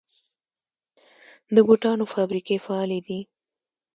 د بوټانو فابریکې فعالې دي؟